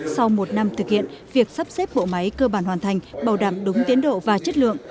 sau một năm thực hiện việc sắp xếp bộ máy cơ bản hoàn thành bảo đảm đúng tiến độ và chất lượng